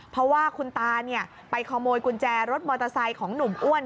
เพราะว่าคุณตาไปขโมยกุญแจรถมอเตอร์ไซค์ของหนุ่มอ้วน